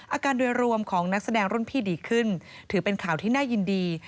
อาการโดยรวมของนักแสดงรุ่นพี่ดีขึ้นถือเป็นข่าวที่น่ายินดี